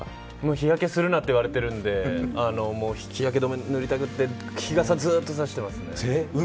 日焼けするなって言われてるんで日焼け止めを塗りたくって日傘をずっと差しています。